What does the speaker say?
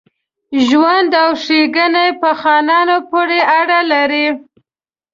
ژوند او ښېګڼه په خانانو پوري اړه لري.